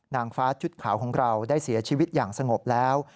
นางฟ้าชุดขาวของเราได้เสียชีวิตอย่างสงบแล้ว